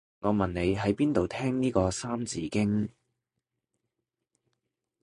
我問你喺邊度聽呢個三字經